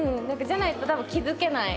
じゃないと多分気づけない。